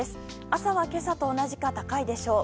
朝は今朝と同じか高いでしょう。